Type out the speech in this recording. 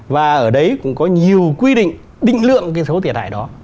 và ở đấy cũng có nhiều quy định định lượng cái số tiền hại đó